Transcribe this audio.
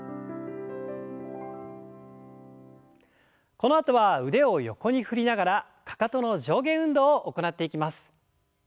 このあとは腕を横に振りながらかかとの上下運動を行っていきます。